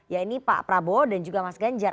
ya ini pak prabowo dan juga mas ganjar